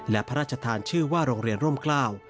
และพระราชทานชื่อว่าโรงเรียนร่มกล้าว